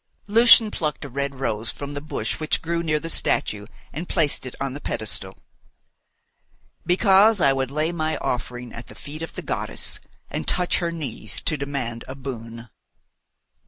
Lucian plucked a red rose from the bush which grew near the statue and placed it on the pedestal. "Because I would lay my offering at the feet of the goddess, and touch her knees to demand a boon."